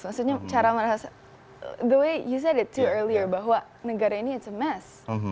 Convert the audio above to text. maksudnya cara merasa the way you said it too earlier bahwa negara ini it's a mess